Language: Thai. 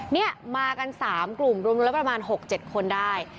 นี่มากัน๓กลุ่มรวมแล้วประมาณ๖๗คนได้